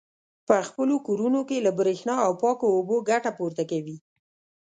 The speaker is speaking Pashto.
په خپلو کورونو کې له برېښنا او پاکو اوبو ګټه پورته کوي.